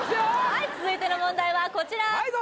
はい続いての問題はこちら